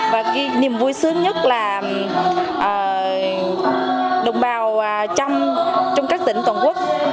và cái niềm vui sướng nhất là đồng bào trong các tỉnh toàn quốc